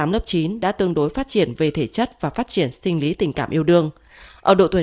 lớp chín đã tương đối phát triển về thể chất và phát triển sinh lý tình cảm yêu đương ở độ tuổi